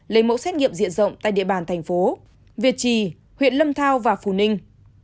lấy mẫu xét nghiệm diện rộng tại địa bàn thành phố việt trì huyện lâm thao và phù ninh